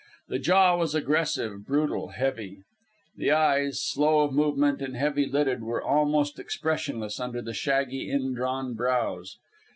The jaw was aggressive, brutal, heavy. The eyes, slow of movement and heavy lidded, were almost expressionless under the shaggy, indrawn brows.